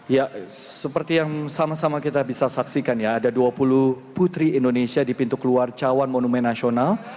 ya seperti yang sama sama kita bisa saksikan ya ada dua puluh putri indonesia di pintu keluar cawan monumen nasional